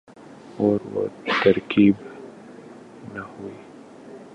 اور وہ ترکیب نحوی